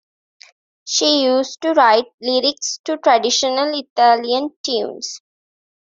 She used to write lyrics to traditional Italian tunes.